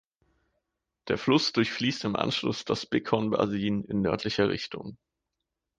Der Fluss durchfließt im Anschluss das Bighorn Basin in nördlicher Richtung.